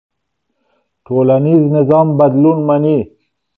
ټولنيز نظام بدلون مني.